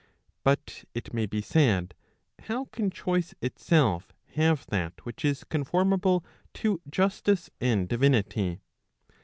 But it may be said, how can choice itself have that which is conformable to justice and divinity